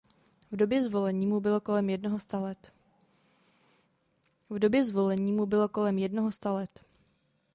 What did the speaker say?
V době zvolení mu bylo kolem jednoho sta let.